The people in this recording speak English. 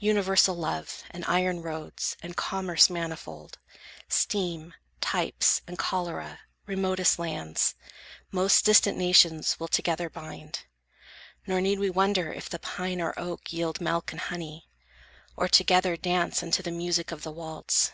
Universal love, And iron roads, and commerce manifold, Steam, types, and cholera, remotest lands, Most distant nations will together bind; Nor need we wonder if the pine or oak Yield milk and honey, or together dance Unto the music of the waltz.